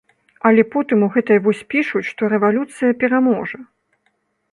Але потым у гэтай вось пішуць, што рэвалюцыя пераможа.